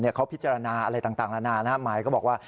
เนี่ยเขาพิจารณาอะไรต่างต่างละนั้นนะฮะหมายก็บอกว่า